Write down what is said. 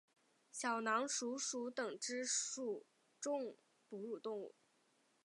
小囊鼠属等之数种哺乳动物。